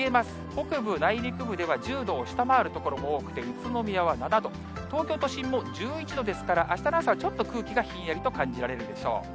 北部、内陸部では１０度を下回る所も多くて、宇都宮は７度、東京都心も１１度ですから、あしたの朝、ちょっと空気がひんやりと感じられるでしょう。